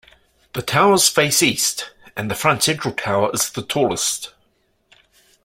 The towers face east, and the front central tower is the tallest.